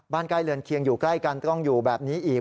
ใกล้เรือนเคียงอยู่ใกล้กันต้องอยู่แบบนี้อีก